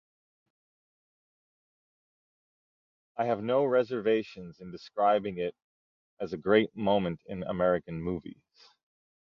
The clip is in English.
I have no reservations in describing it as a great moment in American movies.